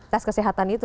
tes kesehatan itu ya